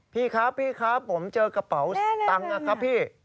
พี่ครับพี่ครับผมเจอกระเป๋าตังค์นะครับพี่